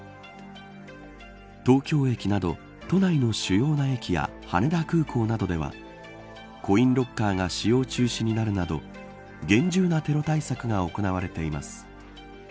東京駅など都内の主要な駅や羽田空港などではコインロッカーが使用中止になるなどを厳重なテロ対策が行われています。